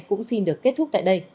cũng xin được kết thúc tại đây